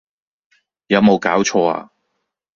有冇搞錯呀